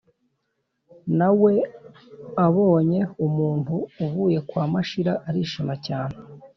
na we abonye umuntu uvuye kwa mashira arishima cyane,